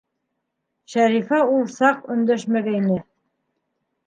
Шәрифә ул саҡ өндәшмәгәйне.